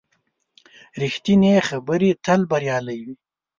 ریښتینې خبرې تل بریالۍ وي.